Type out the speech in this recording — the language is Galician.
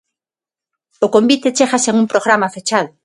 O convite chega sen un programa fechado.